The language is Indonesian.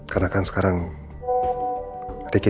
ya apa nama yang dibuka